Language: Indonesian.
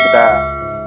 kerjaan hari ini kita